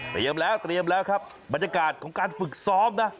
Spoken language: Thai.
แล้วเตรียมแล้วครับบรรยากาศของการฝึกซ้อมนะ